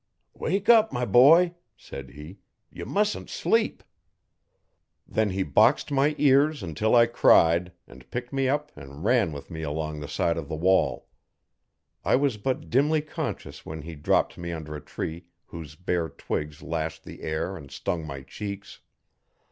'Wake up, my boy,' said he, 'ye musn't sleep.' Then he boxed my ears until I cried, and picked me up and ran with me along the side of the wall. I was but dimly conscious when he dropped me under a tree whose bare twigs lashed the air and stung my cheeks.